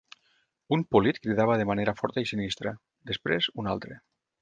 Un polit cridava de manera forta i sinistra. Després, un altre.